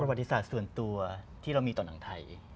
ประวัติศาสตร์ส่วนตัวที่เรามีต่อหนังไทย